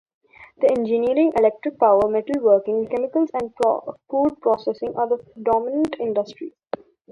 The engineering, electric-power, metal-working, chemicals, and food processing are the dominant industries.